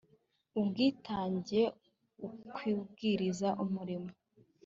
ubwitange, ukwibwiriza umurimo